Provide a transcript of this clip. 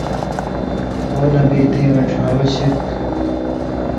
او نبی! تیں رڇھان٘لو شِدیۡ تھُو